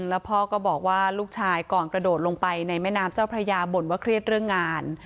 แล้วพ่อก็บอกว่าลูกชายก่อนกระโดดลงไปในแม่น้ำเจ้าพระยาบ่นว่าเครียดเรื่องงาน